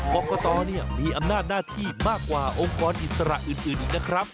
กรกตมีอำนาจหน้าที่มากกว่าองค์กรอิสระอื่นอีกนะครับ